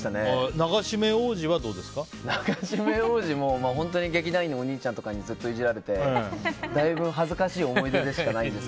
流し目王子も劇団員のお兄ちゃんとかにずっといじられて、だいぶ恥ずかしい思い出でしかないです。